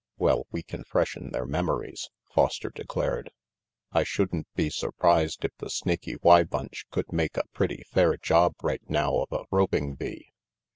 "Well, we can freshen their memories," Foster declared. "I shouldn't be surprised if the Snaky Y bunch could make a pretty fair job right now of a roping bee."